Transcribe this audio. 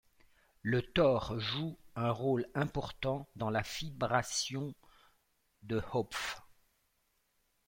Le tore joue un rôle important dans la fibration de Hopf.